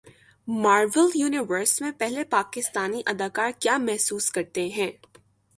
marvel universe میں پہلے پاکستانی اداکار کیا محسوس کرتے ہیں